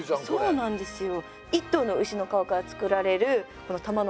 そうなんですよ。